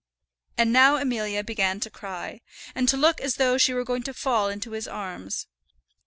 And now Amelia began to cry, and to look as though she were going to fall into his arms.